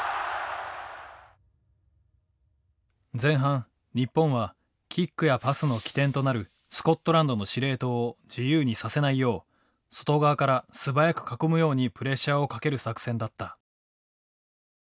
前半日本はキックやパスの起点となるスコットランドの司令塔を自由にさせないよう外側から素早く囲むようにプレッシャーをかける作戦だった。